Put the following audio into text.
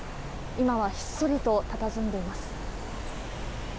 今はひっそりとたたずんでいます。